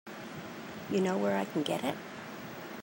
You know where I can get it?